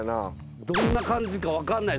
どんな感じか分かんない。